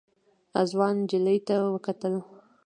ځوان نجلۍ ته وکتل.